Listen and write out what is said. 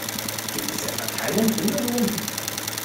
Gibt es etwa keinen Finderlohn?